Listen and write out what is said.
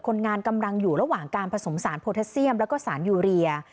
คนงานกำลังอยู่ระหว่างการผสมสารโพเทสเซียมแล้วก็สารยูเรีย